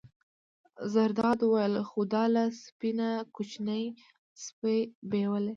زرداد وویل: خو دا له سپۍ نه کوچنی سپی بېلول.